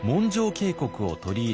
経国を取り入れ